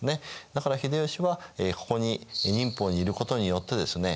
だから秀吉は寧波にいることによってですね